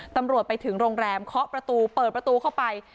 ตำรวจไปถึงโรงแรมเคาะประตูเปิดประตูเข้าไป